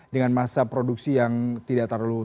dengan masa produksi yang tidak terlalu